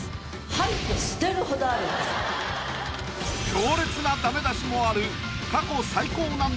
強烈なダメ出しもある。